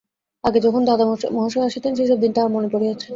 আগে যখন দাদামহাশয় আসিতেন, সেইসব দিন তাহার মনে পড়িয়াছে।